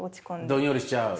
どんよりしちゃう？